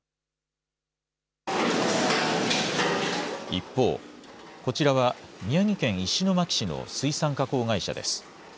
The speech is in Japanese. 一方、こちらは宮城県石巻市の水産加工会社です。